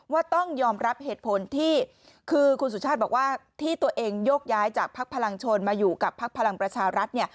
ว่าต้องยอมรับเหตุผลที่คือคุณสุชาติบอกว่าที่ตัวเองโยกย้ายจากภักดิ์พลังชนมาอยู่กับพักพลังประชารัฐ